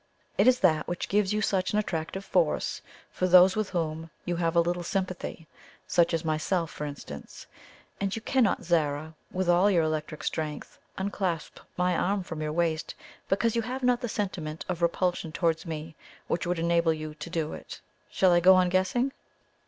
It is that which gives you such an attractive force for those with whom you have a little sympathy such as myself, for instance; and you cannot, Zara, with all your electric strength, unclasp my arms from your waist, because you have not the sentiment of repulsion towards me which would enable you to do it. Shall I go on guessing?"